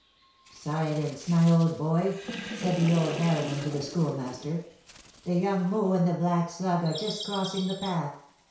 "Silence, my old boy," said the old harridan to the Schoolmaster; "the young 'mot' and the 'black slug' are just crossing the path.